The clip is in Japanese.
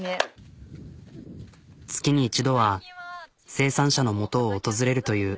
月に一度は生産者のもとを訪れるという。